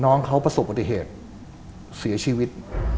น้องเขาประสบปฏิเหตุเสียชีวิต